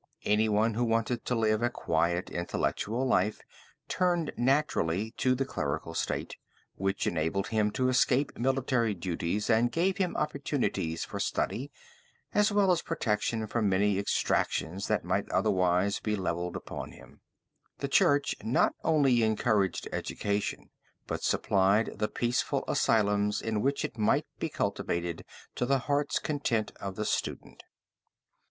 Anyone who wanted to live a quiet, intellectual life turned naturally to the clerical state, which enabled him to escape military duties and gave him opportunities for study, as well as protection from many exactions that might otherwise be levied upon him. The church not only encouraged education, but supplied the peaceful asylums in which it might be cultivated to the heart's content of the student.